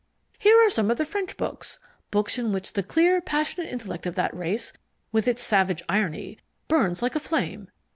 Here are some of the French books books in which the clear, passionate intellect of that race, with its savage irony, burns like a flame.